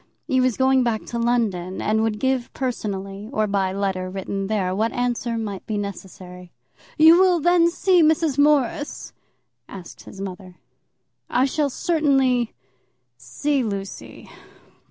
He was going back to London, and would give personally, or by letter written there, what answer might be necessary. "You will then see Miss Morris?" asked his mother. "I shall certainly see Lucy.